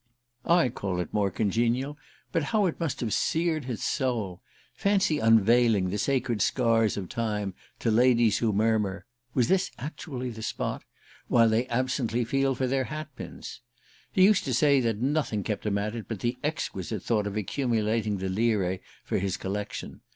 I call it more congenial but how it must have seared his soul! Fancy unveiling the sacred scars of Time to ladies who murmur: "Was this actually the spot ?" while they absently feel for their hatpins! He used to say that nothing kept him at it but the exquisite thought of accumulating the lire for his collection.